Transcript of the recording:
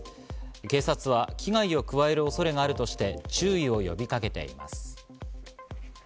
警察は危害を加える恐れがあるとして注意を呼びかけています。